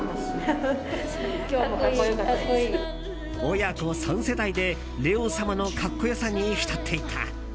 親子３世代でレオ様の格好良さに浸っていた。